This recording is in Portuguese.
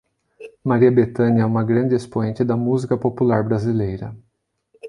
Maria Bethânia é uma grande expoente da Música Popular Brasileira